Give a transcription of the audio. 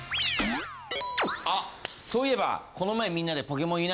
あっそういえばこの前。